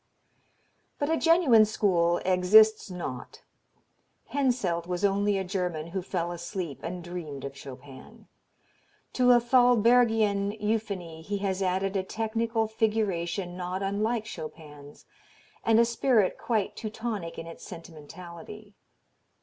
But a genuine school exists not. Henselt was only a German who fell asleep and dreamed of Chopin. To a Thalberg ian euphony he has added a technical figuration not unlike Chopin's, and a spirit quite Teutonic in its sentimentality.